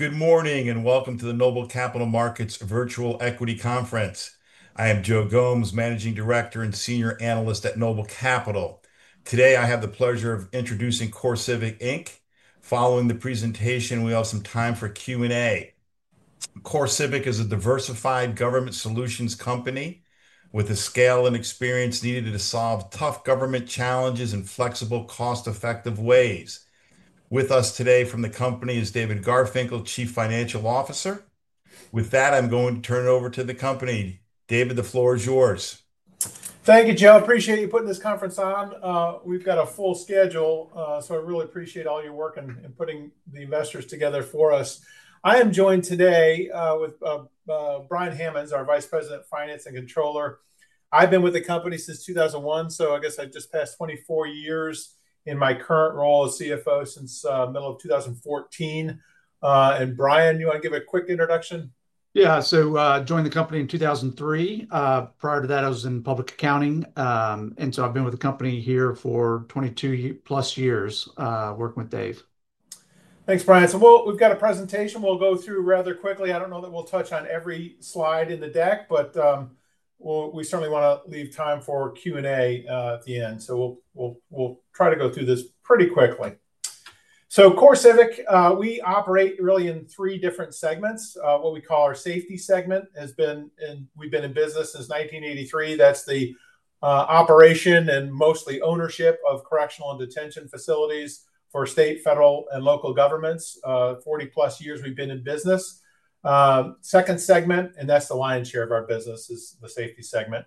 Good morning and welcome to the NOBLE Capital Markets Virtual Equity Conference. I am Joe Gomes, Managing Director and Senior Analyst at Noble Capital. Today, I have the pleasure of introducing CoreCivic. Following the presentation, we have some time for Q&A. CoreCivic is a diversified government solutions company with the scale and experience needed to solve tough government challenges in flexible, cost-effective ways. With us today from the company is David Garfinkle, Chief Financial Officer. With that, I'm going to turn it over to the company. David, the floor is yours. Thank you, Joe. I appreciate you putting this conference on. We've got a full schedule, so I really appreciate all your work in putting the investors together for us. I am joined today with Brian Hammonds, our Vice President of Finance and Controller. I've been with the company since 2001, so I guess I've just passed 24 years in my current role as CFO since the middle of 2014. And Brian, do you want to give a quick introduction? Yeah. So I joined the company in 2003. Prior to that, I was in public accounting, and so I've been with the company here for 22 plus years working with Dave. Thanks, Brian. We've got a presentation we'll go through rather quickly. I don't know that we'll touch on every slide in the deck, but we certainly want to leave time for Q&A at the end. We'll try to go through this pretty quickly. CoreCivic, we operate really in three different segments. What we call our safety segment has been—we've been in business since 1983. That's the operation and mostly ownership of correctional and detention facilities for state, federal, and local governments. Forty plus years we've been in business. Second segment, and that's the lion's share of our business, is the safety segment.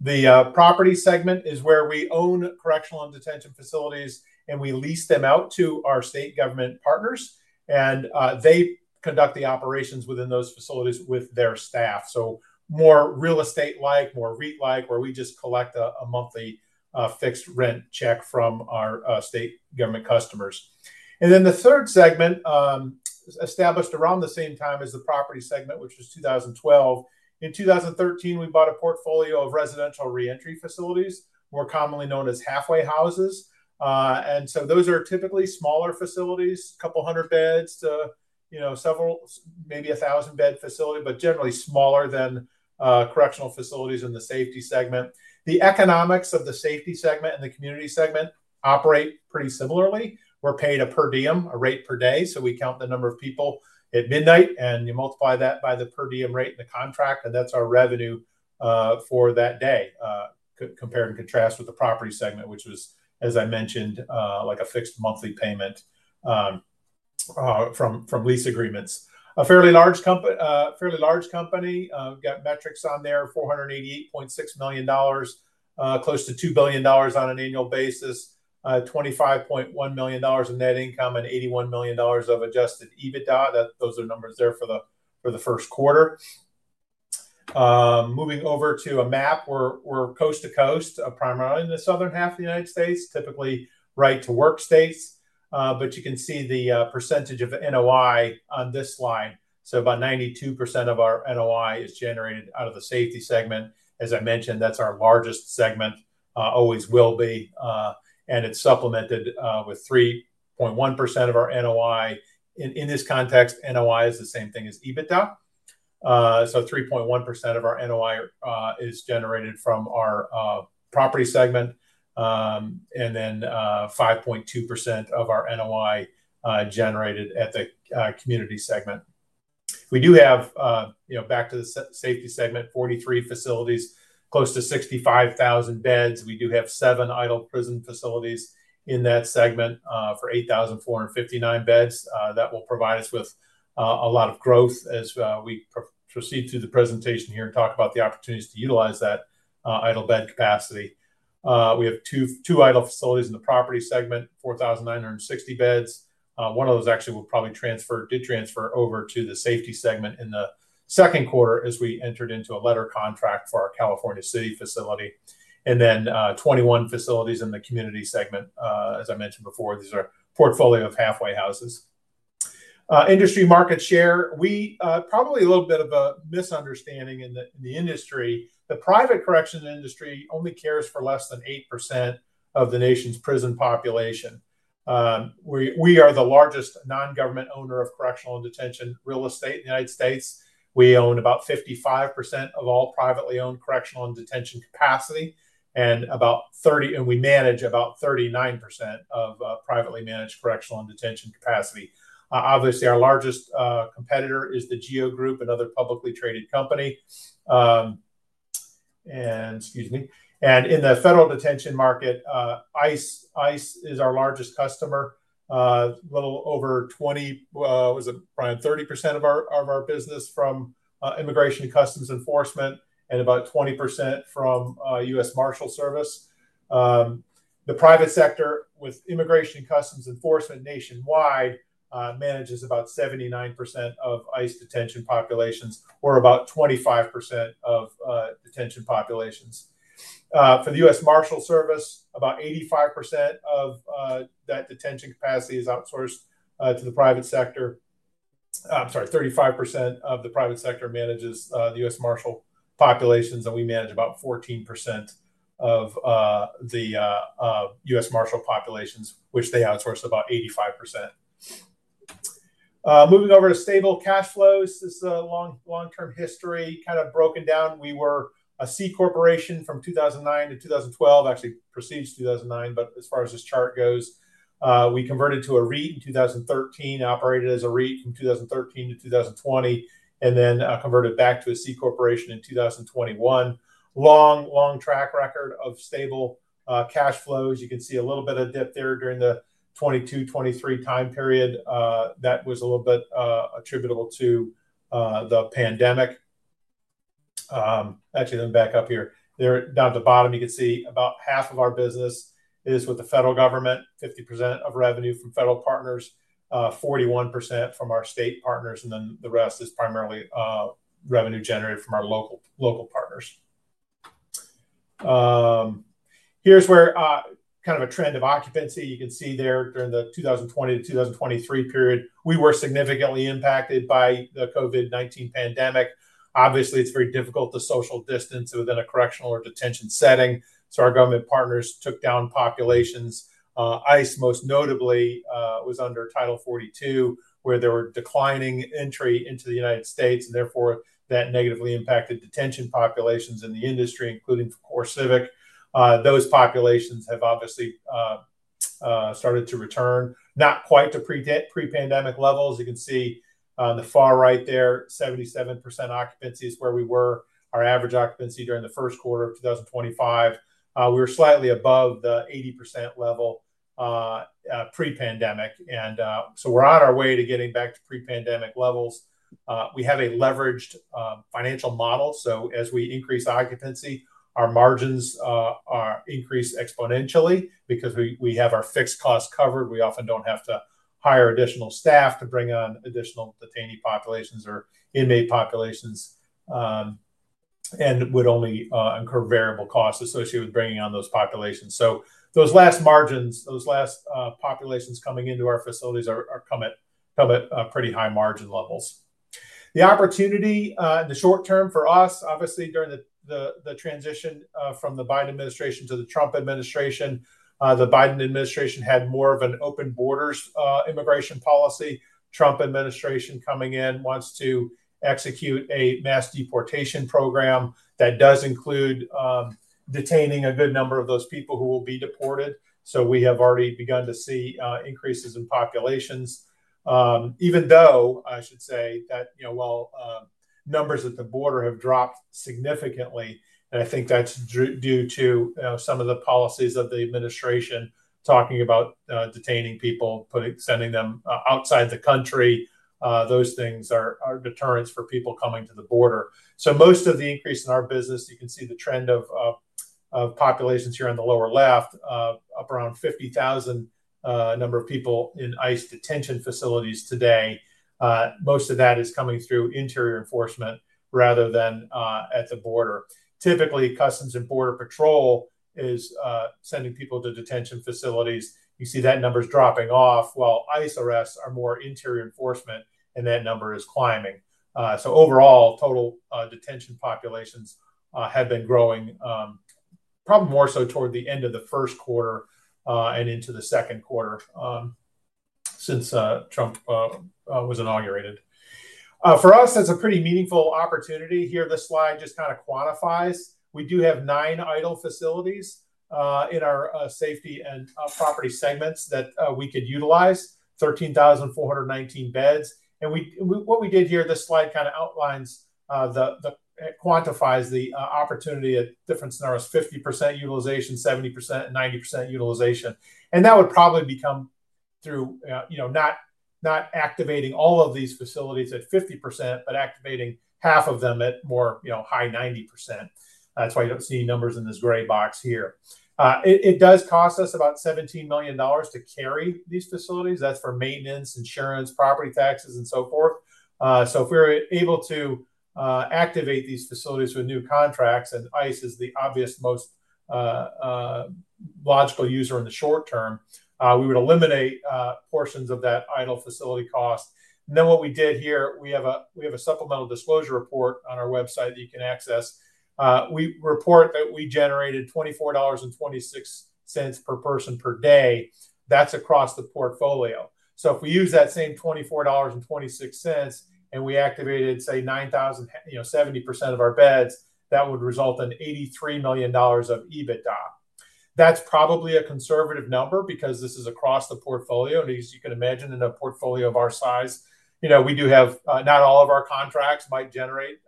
The property segment is where we own correctional and detention facilities, and we lease them out to our state government partners, and they conduct the operations within those facilities with their staff. More real estate-like, more REIT-like, where we just collect a monthly fixed rent check from our state government customers. The third segment is established around the same time as the property segment, which was 2012. In 2013, we bought a portfolio of residential reentry facilities, more commonly known as halfway houses. Those are typically smaller facilities, a couple hundred beds to several, maybe a thousand bed facility, but generally smaller than correctional facilities in the safety segment. The economics of the safety segment and the community segment operate pretty similarly. We're paid a per diem, a rate per day. We count the number of people at midnight, and you multiply that by the per diem rate in the contract, and that's our revenue for that day. Compared and contrast with the property segment, which was, as I mentioned, like a fixed monthly payment from lease agreements. A fairly large company, we've got metrics on there, $488.6 million, close to $2 billion on an annual basis, $25.1 million of net income, and $81 million of adjusted EBITDA. Those are numbers there for the first quarter. Moving over to a map, we're coast to coast, primarily in the southern half of the United States, typically right to work states. You can see the percentage of NOI on this slide. About 92% of our NOI is generated out of the safety segment. As I mentioned, that's our largest segment, always will be, and it's supplemented with 3.1% of our NOI. In this context, NOI is the same thing as EBITDA. So 3.1% of our NOI is generated from our property segment, and then 5.2% of our NOI generated at the community segment. We do have, back to the safety segment, 43 facilities, close to 65,000 beds. We do have seven idle prison facilities in that segment for 8,459 beds. That will provide us with a lot of growth as we proceed through the presentation here and talk about the opportunities to utilize that idle bed capacity. We have two idle facilities in the property segment, 4,960 beds. One of those actually will probably transfer—did transfer over to the safety segment in the second quarter as we entered into a letter contract for our California City facility. And then 21 facilities in the community segment. As I mentioned before, these are a portfolio of halfway houses. Industry market share, we probably have a little bit of a misunderstanding in the industry. The private correction industry only cares for less than 8% of the nation's prison population. We are the largest non-government owner of correctional and detention real estate in the United States. We own about 55% of all privately owned correctional and detention capacity, and we manage about 39% of privately managed correctional and detention capacity. Obviously, our largest competitor is the GEO Group, another publicly traded company. In the federal detention market, ICE is our largest customer. A little over 20%—was it around 30% of our business from Immigration and Customs Enforcement and about 20% from U.S. Marshal Service. The private sector, with Immigration and Customs Enforcement nationwide, manages about 79% of ICE detention populations, or about 25% of detention populations. For the U.S. Marshal Service, about 85% of that detention capacity is outsourced to the private sector. I'm sorry, 35% of the private sector manages the U.S. Marshal populations, and we manage about 14% of the U.S. Marshal populations, which they outsource about 85%. Moving over to stable cash flows, this is a long-term history kind of broken down. We were a C corporation from 2009 to 2012, actually precedes 2009, but as far as this chart goes, we converted to a REIT in 2013, operated as a REIT from 2013 to 2020, and then converted back to a C corporation in 2021. Long, long track record of stable cash flows. You can see a little bit of dip there during the 2022, 2023 time period. That was a little bit attributable to the pandemic. Actually, let me back up here. Down at the bottom, you can see about half of our business is with the federal government, 50% of revenue from federal partners, 41% from our state partners, and then the rest is primarily revenue generated from our local partners. Here is where kind of a trend of occupancy. You can see there during the 2020 to 2023 period, we were significantly impacted by the COVID-19 pandemic. Obviously, it is very difficult to social distance within a correctional or detention setting. Our government partners took down populations. ICE, most notably, was under Title 42, where there were declining entry into the United States, and therefore that negatively impacted detention populations in the industry, including CoreCivic. Those populations have obviously started to return, not quite to pre-pandemic levels. You can see on the far right there, 77% occupancy is where we were, our average occupancy during the first quarter of 2025. We were slightly above the 80% level pre-pandemic. We are on our way to getting back to pre-pandemic levels. We have a leveraged financial model. As we increase occupancy, our margins are increased exponentially because we have our fixed costs covered. We often do not have to hire additional staff to bring on additional detainee populations or inmate populations and would only incur variable costs associated with bringing on those populations. Those last margins, those last populations coming into our facilities come at pretty high margin levels. The opportunity in the short term for us, obviously, during the transition from the Biden administration to the Trump administration, the Biden administration had more of an open borders immigration policy. Trump administration coming in wants to execute a mass deportation program that does include detaining a good number of those people who will be deported. We have already begun to see increases in populations. Even though, I should say, that while numbers at the border have dropped significantly, and I think that's due to some of the policies of the administration talking about detaining people, sending them outside the country, those things are deterrents for people coming to the border. Most of the increase in our business, you can see the trend of populations here on the lower left, up around 50,000 number of people in ICE detention facilities today. Most of that is coming through interior enforcement rather than at the border. Typically, Customs and Border Patrol is sending people to detention facilities. You see that number's dropping off while ICE arrests are more interior enforcement, and that number is climbing. Overall, total detention populations have been growing probably more so toward the end of the first quarter and into the second quarter since Trump was inaugurated. For us, that's a pretty meaningful opportunity. Here, this slide just kind of quantifies. We do have nine idle facilities in our Safety and Property segments that we could utilize, 13,419 beds. What we did here, this slide kind of outlines, quantifies the opportunity at different scenarios, 50% utilization, 70%, and 90% utilization. That would probably come through not activating all of these facilities at 50%, but activating half of them at more high 90%. That's why you do not see numbers in this gray box here. It does cost us about $17 million to carry these facilities. That's for maintenance, insurance, property taxes, and so forth. If we were able to activate these facilities with new contracts, and ICE is the obvious most logical user in the short term, we would eliminate portions of that idle facility cost. What we did here, we have a supplemental disclosure report on our website that you can access. We report that we generated $24.26 per person per day. That's across the portfolio. If we use that same $24.26 and we activated, say, 70% of our beds, that would result in $83 million of EBITDA. That's probably a conservative number because this is across the portfolio. As you can imagine, in a portfolio of our size, not all of our contracts might generate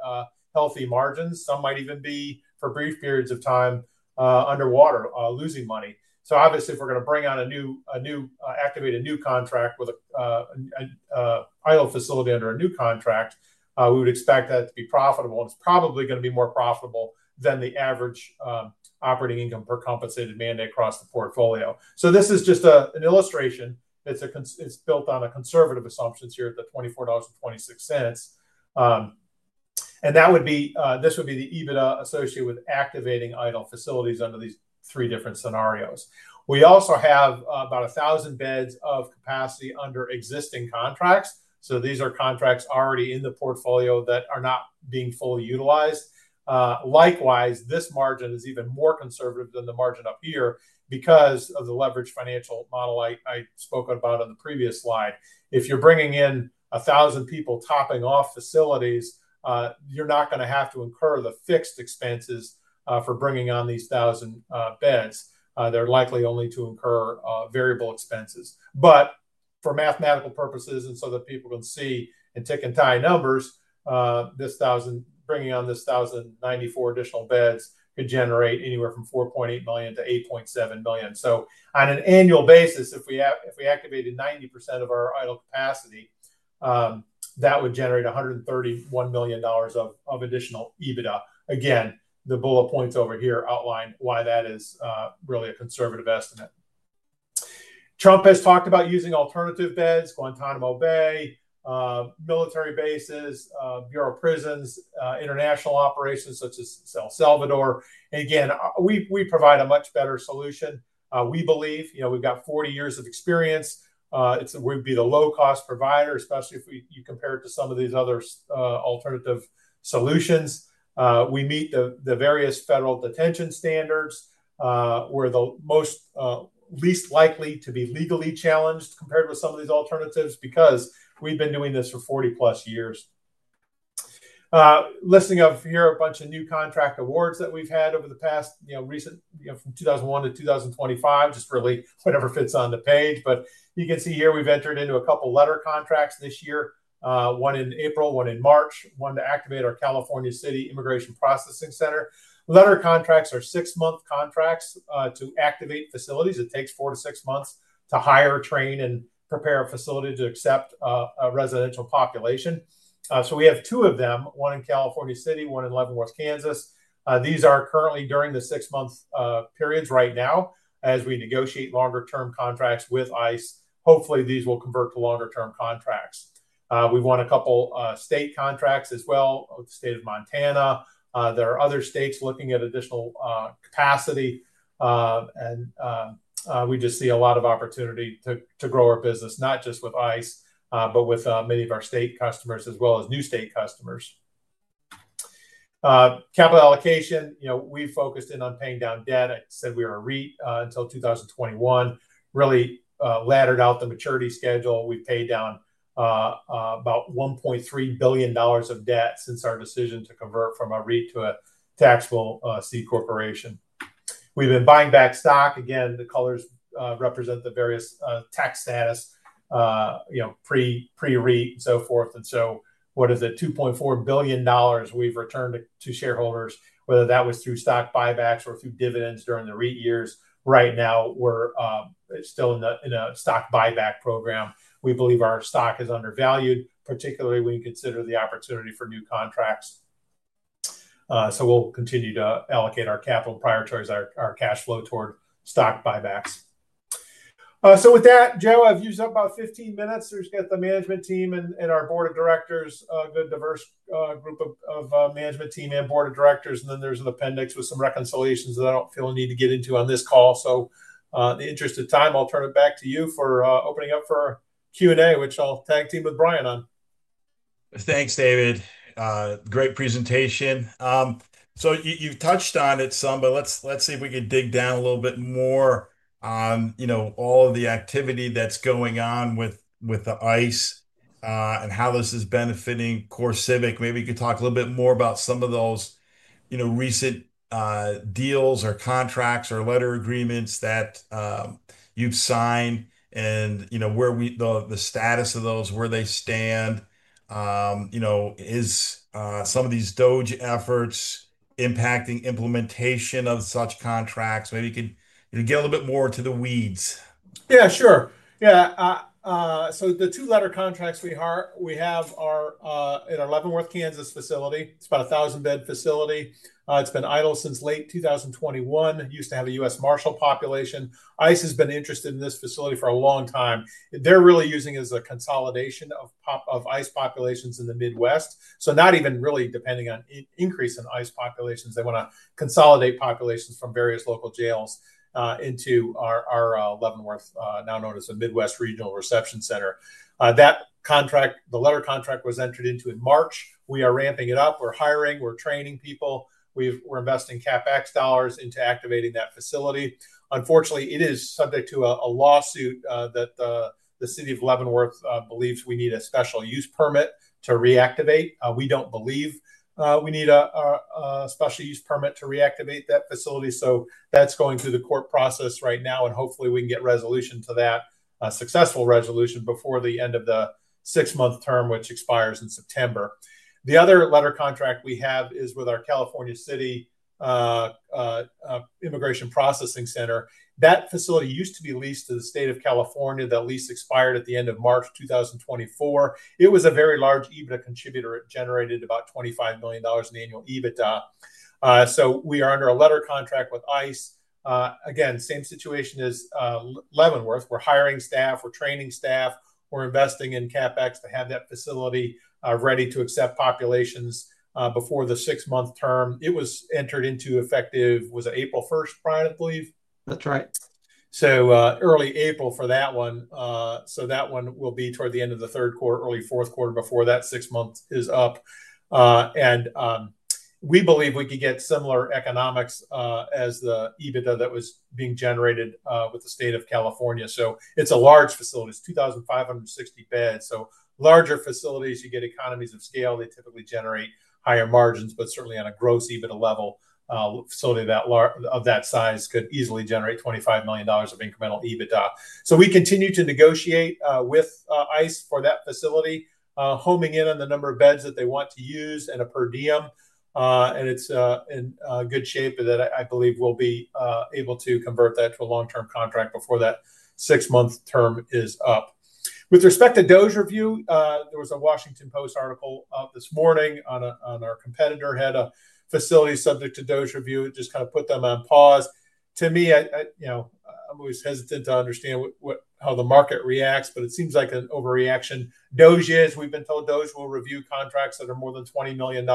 healthy margins. Some might even be for brief periods of time underwater, losing money. If we're going to bring on a new, activate a new contract with an idle facility under a new contract, we would expect that to be profitable. It's probably going to be more profitable than the average operating income per compensated mandate across the portfolio. This is just an illustration. It's built on conservative assumptions here at the $24.26. This would be the EBITDA associated with activating idle facilities under these three different scenarios. We also have about 1,000 beds of capacity under existing contracts. These are contracts already in the portfolio that are not being fully utilized. Likewise, this margin is even more conservative than the margin up here because of the leveraged financial model I spoke about on the previous slide. If you're bringing in 1,000 people topping off facilities, you're not going to have to incur the fixed expenses for bringing on these 1,000 beds. They're likely only to incur variable expenses. For mathematical purposes and so that people can see and tick and tie numbers, bringing on this 1,094 additional beds could generate anywhere from $4.8 million-$8.7 million. On an annual basis, if we activated 90% of our idle capacity, that would generate $131 million of additional EBITDA. The bullet points over here outline why that is really a conservative estimate. Trump has talked about using alternative beds, Guantanamo Bay, military bases, bureau prisons, international operations such as El Salvador. We provide a much better solution. We believe we've got 40 years of experience. It would be the low-cost provider, especially if you compare it to some of these other alternative solutions. We meet the various federal detention standards where the most least likely to be legally challenged compared with some of these alternatives because we've been doing this for 40-plus years. Listing up here a bunch of new contract awards that we've had over the past recent from 2001 to 2025, just really whatever fits on the page. You can see here we've entered into a couple of letter contracts this year, one in April, one in March, one to activate our California City Immigration Processing Center. Letter contracts are six-month contracts to activate facilities. It takes four to six months to hire, train, and prepare a facility to accept a residential population. We have two of them, one in California City, one in Leavenworth, Kansas. These are currently during the six-month periods right now. As we negotiate longer-term contracts with ICE, hopefully these will convert to longer-term contracts. We want a couple of state contracts as well with the state of Montana. There are other states looking at additional capacity. We just see a lot of opportunity to grow our business, not just with ICE, but with many of our state customers as well as new state customers. Capital allocation, we focused in on paying down debt. I said we were a REIT until 2021, really laddered out the maturity schedule. We've paid down about $1.3 billion of debt since our decision to convert from a REIT to a taxable C corporation. We've been buying back stock. Again, the colors represent the various tax status, pre-REIT and so forth. What is it? $2.4 billion we've returned to shareholders, whether that was through stock buybacks or through dividends during the REIT years. Right now, we're still in a stock buyback program. We believe our stock is undervalued, particularly when you consider the opportunity for new contracts. We'll continue to allocate our capital priorities, our cash flow toward stock buybacks. With that, Jeo. I've used up about 15 minutes. There's the management team and our board of directors, a good diverse group of management team and board of directors. Then there's an appendix with some reconciliations that I don't feel I need to get into on this call. In the interest of time, I'll turn it back to you for opening up for Q&A, which I'll tag team with Brian on. Thanks, David. Great presentation. You've touched on it some, but let's see if we can dig down a little bit more on all of the activity that's going on with the ICE and how this is benefiting CoreCivic. Maybe you could talk a little bit more about some of those recent deals or contracts or letter agreements that you've signed and the status of those, where they stand. Is some of these DOGE efforts impacting implementation of such contracts? Maybe you could get a little bit more into the weeds. Yeah, sure. Yeah. So the two letter contracts we have are in our Leavenworth, Kansas facility. It's about a 1,000-bed facility. It's been idle since late 2021. It used to have a U.S. Marshal population. ICE has been interested in this facility for a long time. They're really using it as a consolidation of ICE populations in the Midwest. So not even really depending on an increase in ICE populations. They want to consolidate populations from various local jails into our Leavenworth, now known as the Midwest Regional Reception Center. That contract, the letter contract, was entered into in March. We are ramping it up. We're hiring. We're training people. We're investing CapEx dollars into activating that facility. Unfortunately, it is subject to a lawsuit that the city of Leavenworth believes we need a special use permit to reactivate. We don't believe we need a special use permit to reactivate that facility. That is going through the court process right now. Hopefully, we can get resolution to that, a successful resolution before the end of the six-month term, which expires in September. The other letter contract we have is with our California City Immigration Processing Center. That facility used to be leased to the state of California. That lease expired at the end of March 2024. It was a very large EBITDA contributor. It generated about $25 million in annual EBITDA. We are under a letter contract with ICE. Again, same situation as Leavenworth. We're hiring staff. We're training staff. We're investing in CapEx to have that facility ready to accept populations before the six-month term. It was entered into effective, was it April 1, Brian, I believe? That's right. Early April for that one. That one will be toward the end of the third quarter, early fourth quarter before that six-month is up. We believe we could get similar economics as the EBITDA that was being generated with the state of California. It's a large facility. It's 2,560 beds. Larger facilities, you get economies of scale. They typically generate higher margins, but certainly on a gross EBITDA level, a facility of that size could easily generate $25 million of incremental EBITDA. We continue to negotiate with ICE for that facility, homing in on the number of beds that they want to use and a per diem. It is in good shape that I believe we will be able to convert that to a long-term contract before that six-month term is up. With respect to DOGE review, there was a Washington Post article this morning on our competitor had a facility subject to DOGE review. It just kind of put them on pause. To me, I am always hesitant to understand how the market reacts, but it seems like an overreaction. DOGE is, we have been told DOGE will review contracts that are more than $20 million.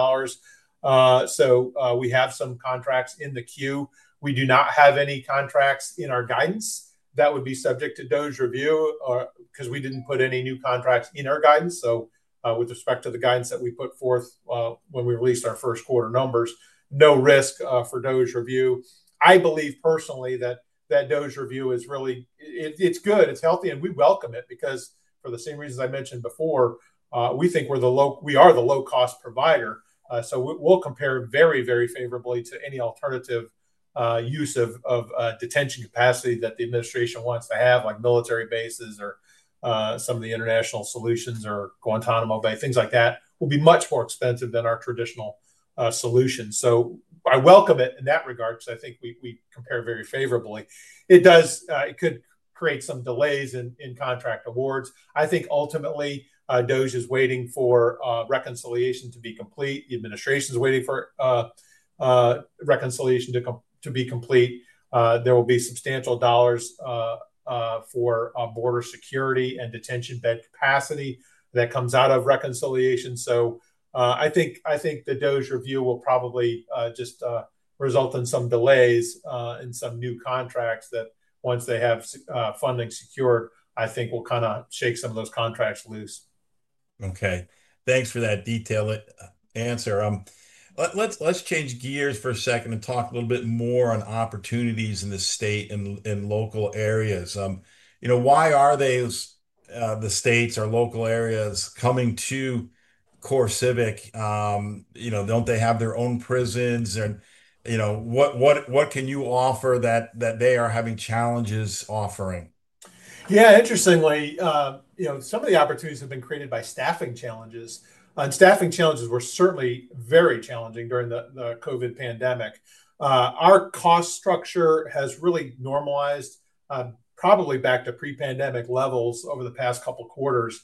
We have some contracts in the queue. We do not have any contracts in our guidance that would be subject to DOGE review because we did not put any new contracts in our guidance. With respect to the guidance that we put forth when we released our first quarter numbers, no risk for DOGE review. I believe personally that that DOGE review is really, it's good. It's healthy. We welcome it because for the same reasons I mentioned before, we think we're the low-cost provider. We'll compare very, very favorably to any alternative use of detention capacity that the administration wants to have, like military bases or some of the international solutions or Guantanamo Bay, things like that will be much more expensive than our traditional solutions. I welcome it in that regard because I think we compare very favorably. It could create some delays in contract awards. I think ultimately, DOGE is waiting for reconciliation to be complete. The administration is waiting for reconciliation to be complete. There will be substantial dollars for border security and detention bed capacity that comes out of reconciliation. I think the DOGE review will probably just result in some delays in some new contracts that once they have funding secured, I think will kind of shake some of those contracts loose. Okay. Thanks for that detailed answer. Let's change gears for a second and talk a little bit more on opportunities in the state and local areas. Why are the states or local areas coming to CoreCivic? Don't they have their own prisons? And what can you offer that they are having challenges offering? Yeah. Interestingly, some of the opportunities have been created by staffing challenges. Staffing challenges were certainly very challenging during the COVID-19 pandemic. Our cost structure has really normalized probably back to pre-pandemic levels over the past couple of quarters.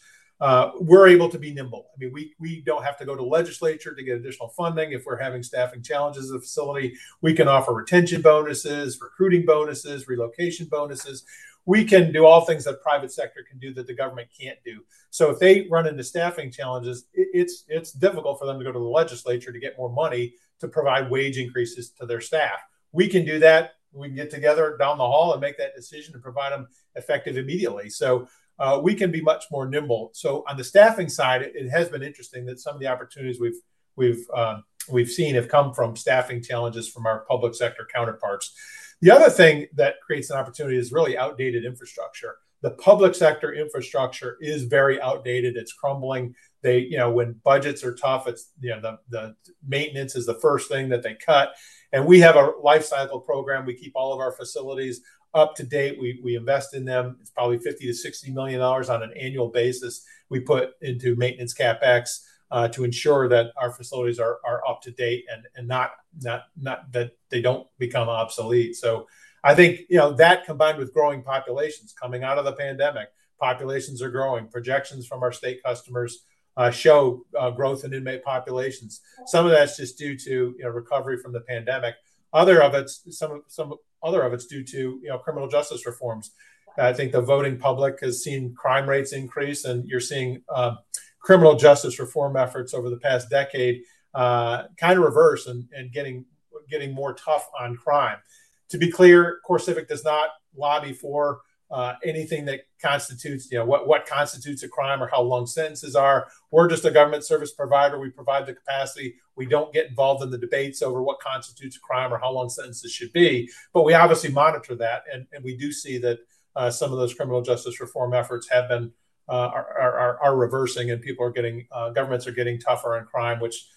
We're able to be nimble. I mean, we don't have to go to legislature to get additional funding. If we're having staffing challenges at the facility, we can offer retention bonuses, recruiting bonuses, relocation bonuses. We can do all things that private sector can do that the government can't do. If they run into staffing challenges, it's difficult for them to go to the legislature to get more money to provide wage increases to their staff. We can do that. We can get together down the hall and make that decision and provide them effective immediately. We can be much more nimble. On the staffing side, it has been interesting that some of the opportunities we've seen have come from staffing challenges from our public sector counterparts. The other thing that creates an opportunity is really outdated infrastructure. The public sector infrastructure is very outdated. It's crumbling. When budgets are tough, the maintenance is the first thing that they cut. We have a life cycle program. We keep all of our facilities up to date. We invest in them. It's probably $50-$60 million on an annual basis we put into maintenance CapEx to ensure that our facilities are up to date and not that they don't become obsolete. I think that combined with growing populations, coming out of the pandemic, populations are growing. Projections from our state customers show growth in inmate populations. Some of that's just due to recovery from the pandemic. Other of it's due to criminal justice reforms. I think the voting public has seen crime rates increase, and you're seeing criminal justice reform efforts over the past decade kind of reverse and getting more tough on crime. To be clear, CoreCivic does not lobby for anything that constitutes what constitutes a crime or how long sentences are. We're just a government service provider. We provide the capacity. We don't get involved in the debates over what constitutes a crime or how long sentences should be. We obviously monitor that. We do see that some of those criminal justice reform efforts are reversing, and governments are getting tougher on crime, which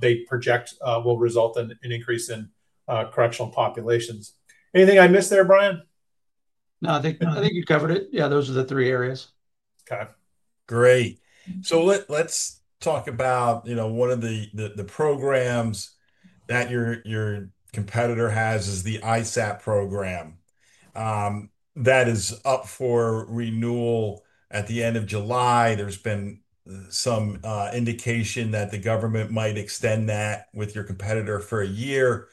they project will result in an increase in correctional populations. Anything I missed there, Brian? No, I think you covered it. Yeah, those are the three areas. Okay. Great. Let's talk about one of the programs that your competitor has, the ISAP program. That is up for renewal at the end of July. There's been some indication that the government might extend that with your competitor for a year.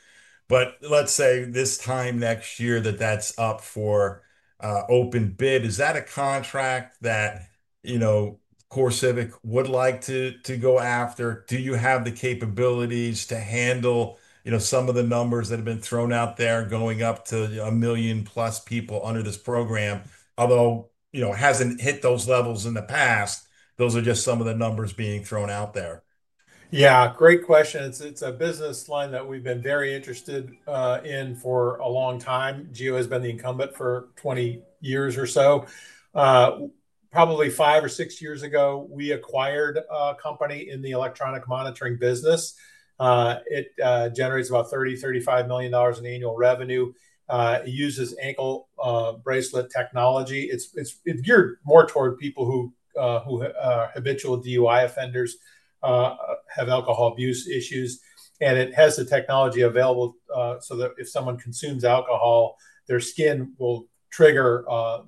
Let's say this time next year that that's up for open bid. Is that a contract that CoreCivic would like to go after? Do you have the capabilities to handle some of the numbers that have been thrown out there going up to a million-plus people under this program, although it hasn't hit those levels in the past? Those are just some of the numbers being thrown out there. Yeah. Great question. It's a business line that we've been very interested in for a long time. GEO has been the incumbent for 20 years or so. Probably five or six years ago, we acquired a company in the electronic monitoring business. It generates about $30-$35 million in annual revenue. It uses ankle bracelet technology. It's geared more toward people who are habitual DUI offenders, have alcohol abuse issues. And it has the technology available so that if someone consumes alcohol, their skin will trigger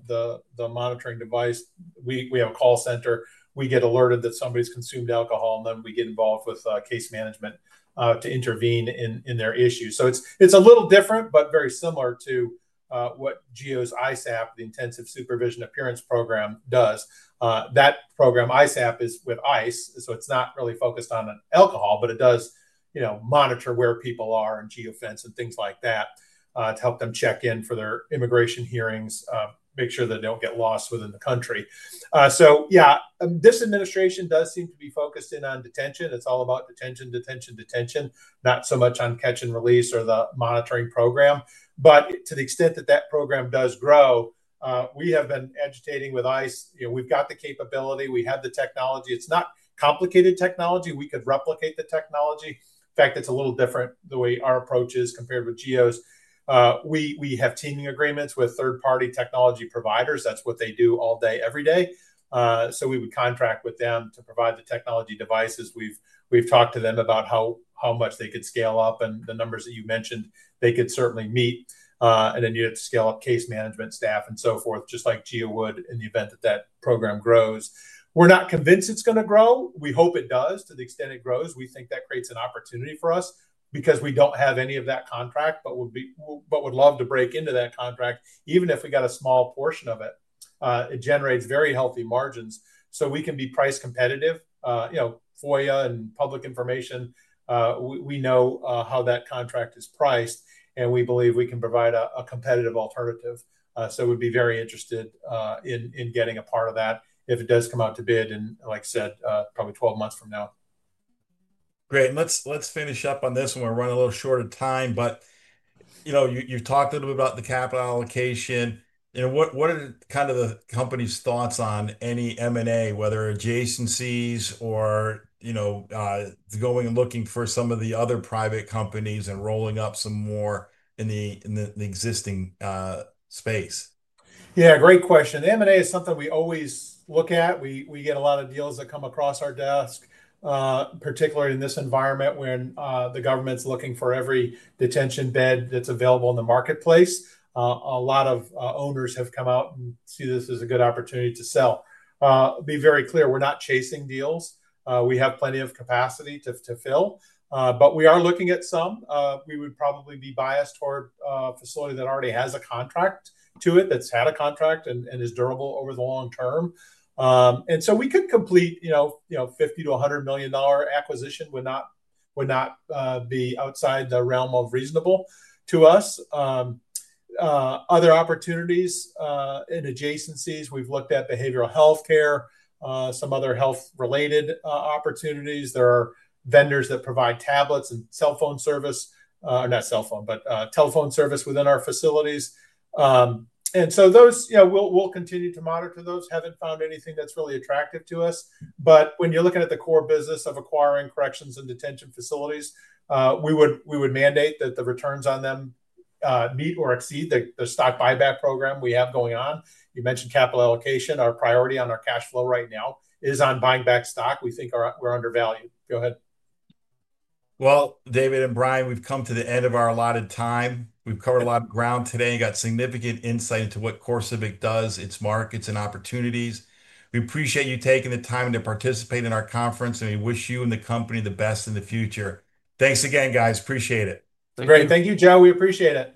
the monitoring device. We have a call center. We get alerted that somebody's consumed alcohol, and then we get involved with case management to intervene in their issues. So it's a little different, but very similar to what GEO's ISAP, the Intensive Supervision Appearance Program, does. That program, ISAP, is with ICE. So it's not really focused on alcohol, but it does monitor where people are in geofence and things like that to help them check in for their immigration hearings, make sure that they don't get lost within the country. Yeah, this administration does seem to be focused in on detention. It's all about detention, detention, detention, not so much on catch and release or the monitoring program. To the extent that that program does grow, we have been agitating with ICE. We've got the capability. We have the technology. It's not complicated technology. We could replicate the technology. In fact, it's a little different the way our approach is compared with GEO's. We have teaming agreements with third-party technology providers. That's what they do all day, every day. We would contract with them to provide the technology devices. We've talked to them about how much they could scale up, and the numbers that you mentioned, they could certainly meet. You have to scale up case management staff and so forth, just like GEO would in the event that that program grows. We're not convinced it's going to grow. We hope it does to the extent it grows. We think that creates an opportunity for us because we do not have any of that contract, but would love to break into that contract, even if we got a small portion of it. It generates very healthy margins. We can be price competitive. FOIA and public information, we know how that contract is priced, and we believe we can provide a competitive alternative. We would be very interested in getting a part of that if it does come out to bid, and like I said, probably 12 months from now. Great. Let's finish up on this one. We're running a little short of time. You have talked a little bit about the capital allocation. What are kind of the company's thoughts on any M&A, whether adjacencies or going and looking for some of the other private companies and rolling up some more in the existing space? Yeah. Great question. The M&A is something we always look at. We get a lot of deals that come across our desk, particularly in this environment when the government's looking for every detention bed that's available in the marketplace. A lot of owners have come out and see this as a good opportunity to sell. Be very clear. We're not chasing deals. We have plenty of capacity to fill. We are looking at some. We would probably be biased toward a facility that already has a contract to it, that's had a contract and is durable over the long term. We could complete $50 million-$100 million acquisition would not be outside the realm of reasonable to us. Other opportunities in adjacencies, we've looked at behavioral healthcare, some other health-related opportunities. There are vendors that provide tablets and telephone service within our facilities. We will continue to monitor those. Have not found anything that is really attractive to us. When you are looking at the core business of acquiring corrections and detention facilities, we would mandate that the returns on them meet or exceed the stock buyback program we have going on. You mentioned capital allocation. Our priority on our cash flow right now is on buying back stock. We think we are undervalued. Go ahead. Well David and Brian, we have come to the end of our allotted time. We have covered a lot of ground today and got significant insight into what CoreCivic does, its markets, and opportunities. We appreciate you taking the time to participate in our conference, and we wish you and the company the best in the future. Thanks again, guys. Appreciate it. Great. Thank you, Joe. We appreciate it.